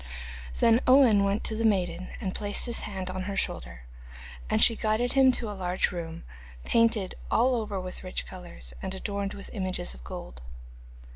Then Owen went to the maiden and placed his hand on her shoulder, and she guided him to a large room, painted all over with rich colours, and adorned with images of gold.